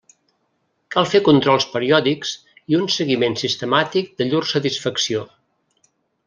Cal fer controls periòdics i un seguiment sistemàtic de llur satisfacció.